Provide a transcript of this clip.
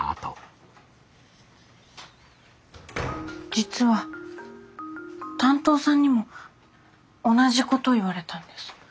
実は担当さんにも同じことを言われたんです。